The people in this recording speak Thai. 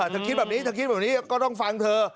ถ้าคิดแบบนี้เธอคิดแบบนี้ก็ต้องฟังเธอ